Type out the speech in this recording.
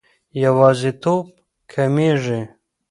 یوازیتوب کمېږي.